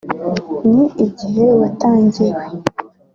n’igihe watangiwe